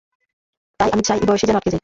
তাই আমি চাই - এই বয়সেই যেন আটকে যাই।